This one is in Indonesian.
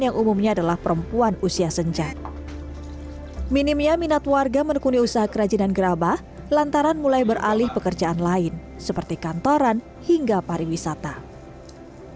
yang umumnya adalah perempuan usia senjata minimnya minat warga menekuni usaha kerajinan gerabah lantaran mulai beralih pekerjaan lain seperti kantoran pembakaran dan jalan jalan yang lain